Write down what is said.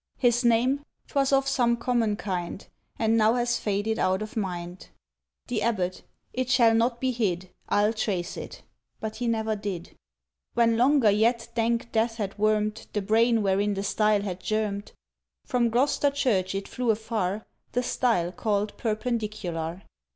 "His name? 'Twas of some common kind And now has faded out of mind." The Abbot: "It shall not be hid! I'll trace it." ... But he never did. —When longer yet dank death had wormed The brain wherein the style had germed From Gloucester church it flew afar— The style called Perpendicular.